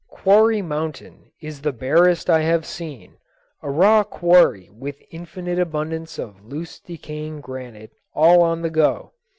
Quarry Mountain is the barest I have seen, a raw quarry with infinite abundance of loose decaying granite all on the go.